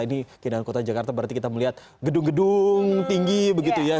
ini keindahan kota jakarta berarti kita melihat gedung gedung tinggi begitu ya